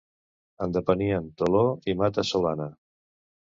En depenien Toló i Mata-solana.